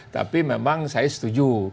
tapi memang saya setuju